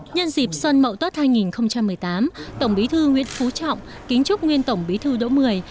nhân dịp xuân mậu tuất hai nghìn một mươi tám tổng bí thư nguyễn phú trọng kính chúc nguyên tổng bí thư đỗ mười